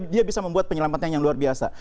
dia bisa membuat penyelamatan yang luar biasa